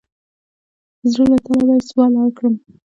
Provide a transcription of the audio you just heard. د زړه له تله به یې سوال اړ کړم.